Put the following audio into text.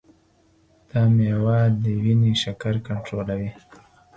دا میوه د وینې شکر کنټرولوي.